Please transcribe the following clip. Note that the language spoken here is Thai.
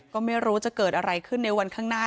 ก็ไม่รู้จะเกิดอะไรขึ้นในวันข้างหน้า